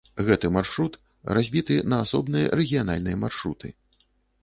Гэты маршрут разбіты на асобныя рэгіянальныя маршруты.